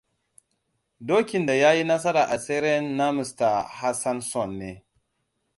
Dokin da ya yi nasara a tseren na Mr. Hassanson ne.